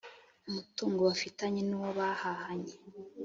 umutungo bafitanye nuwo bahahanye